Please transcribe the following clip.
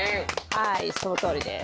はいそのとおりです。